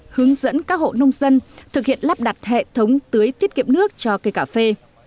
hướng dẫn các hộ nông dân thực hiện lắp đặt hệ thống tưới tiết kiệm nước cho cây cà phê